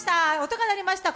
音が鳴りました。